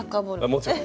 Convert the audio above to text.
もちろん。